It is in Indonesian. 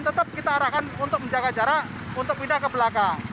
tetap kita arahkan untuk menjaga jarak untuk pindah ke belakang